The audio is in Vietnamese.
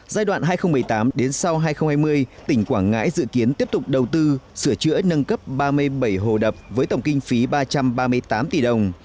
giai đoạn hai nghìn một mươi tám sau hai nghìn hai mươi tỉnh quảng ngãi dự kiến tiếp tục đầu tư sửa chữa nâng cấp ba mươi bảy hồ đập với tổng kinh phí ba trăm ba mươi tám tỷ đồng